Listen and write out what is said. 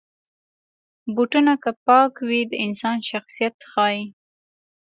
بوټونه که پاک وي، د انسان شخصیت ښيي.